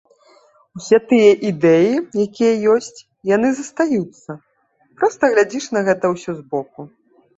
Усе тыя ідэі, якія ёсць, яны застаюцца, проста глядзіш на гэта ўсё збоку.